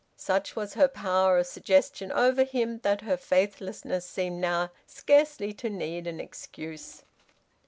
Such was her power of suggestion over him that her faithlessness seemed now scarcely to need an excuse.